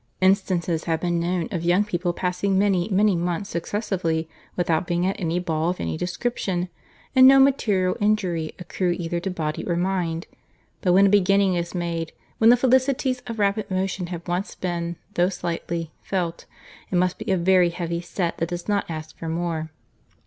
Instances have been known of young people passing many, many months successively, without being at any ball of any description, and no material injury accrue either to body or mind;—but when a beginning is made—when the felicities of rapid motion have once been, though slightly, felt—it must be a very heavy set that does not ask for more.